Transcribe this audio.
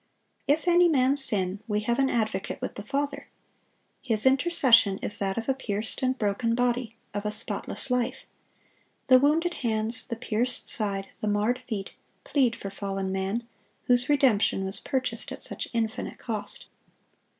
"If any man sin, we have an Advocate with the Father."(682) His intercession is that of a pierced and broken body, of a spotless life. The wounded hands, the pierced side, the marred feet, plead for fallen man, whose redemption was purchased at such infinite cost.